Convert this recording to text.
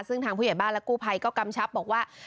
ซึ่งทางผู้ใหญ่บ้านและกู้ภัยก็กำชับบอกว่า